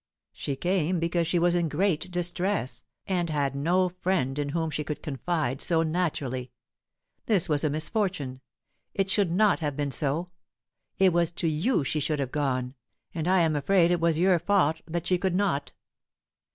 "She came because she was in great distress, and had no friend in whom she could confide so naturally. This was a misfortune; it should not have been so. It was to you that she should have gone, and I am afraid it was your fault that she could not."